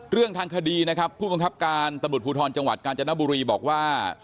เรื่องทางคดีนะครับผู้บังคับการตำรวจภูทรจังหวัดกาญจนบุรีบอกว่า